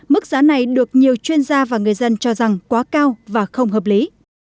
mức giá này được nhiều chuyên gia và người dân cho rằng quá cao và không hợp lý